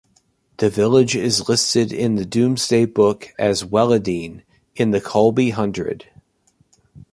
The village is listed in the Doomsday Book as 'Weledene', in the Colby Hundred.